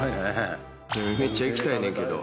めっちゃ行きたいねんけど。